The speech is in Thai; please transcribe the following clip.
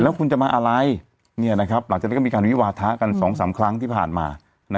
แล้วคุณจะมาอะไรหลังจากนั้นก็มีการวิวาทะกัน๒๓ครั้งที่ผ่านมา